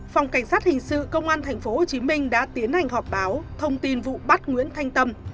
phòng cảnh sát hình sự công an tp hcm đã tiến hành họp báo thông tin vụ bắt nguyễn thanh tâm